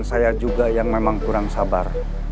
saya juga yang memang kurang sabar